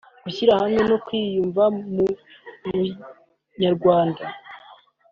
gushyira hamwe no kwiyumva mu Bunyarwanda